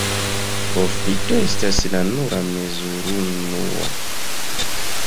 Profito estas la nura mezurunuo.